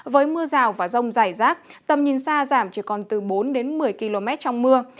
với mưa rào và rông dài rác tầm nhìn xa giảm chỉ còn từ bốn đến một mươi km trong mưa